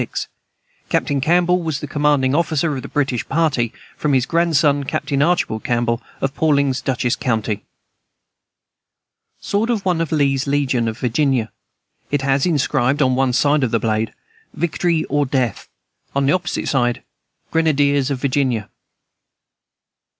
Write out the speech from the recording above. Captain Campbell was the commanding officer of the British party. From his grandson, Captain Archibald Campbell, of Pawlings, Dutchess county. Sword of one of Lee's legion, of Virginia. It has inscribed, on one side of the blade, "Victory or Death!" on the opposite side, "Grenadiers of Virginia."